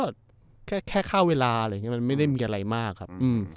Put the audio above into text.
ซึ่งก็แค่ข้าวเวลามันไม่ได้มีอะไรมากครับ